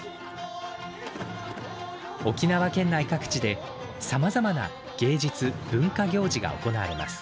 沖縄県内各地でさまざまな芸術・文化行事が行われます